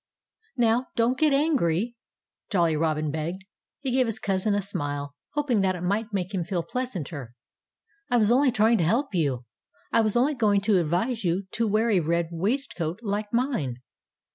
"Now, don't get angry!" Jolly Robin begged. He gave his cousin a smile, hoping that it might make him feel pleasanter. "I was only trying to help you. I was only going to advise you to wear a red waistcoat, like mine."